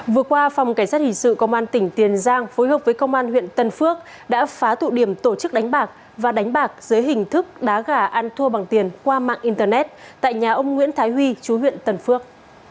vừa qua phòng cảnh sát hình sự công an tỉnh tiền giang phối hợp với công an huyện tân phước đã phá tụ điểm tổ chức đánh bạc và đánh bạc dưới hình thức đá gà ăn thua bằng tiền qua mạng internet tại nhà ông nguyễn thái huy chú huyện tân phước